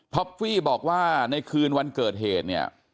ฟี่บอกว่าในคืนวันเกิดเหตุเนี่ย